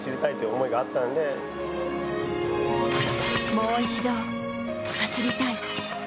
もう一度走りたい。